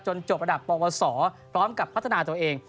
จบระดับประวัติศาสตร์พร้อมกับพัฒนาตัวเอง